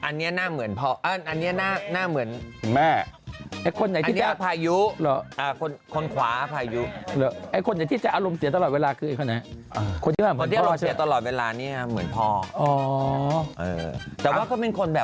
ใช่อ๋อคนหนึ่งหน้าเหมือนพ่อคนหนึ่งหน้าเหมือนพ่อค่ะ